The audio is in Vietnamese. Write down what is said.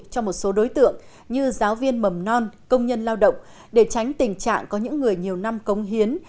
cho một số đối tượng như giáo viên mầm non công nhân lao động để tránh tình trạng có những người nhiều năm công hiến